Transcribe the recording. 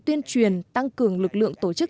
tuyên truyền tăng cường lực lượng tổ chức